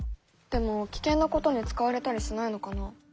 でも危険なことに使われたりしないのかな？